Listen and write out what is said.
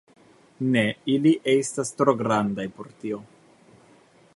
Ne, ili estas tro grandaj por tio